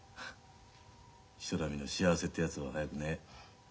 人並みの幸せってやつを早くね。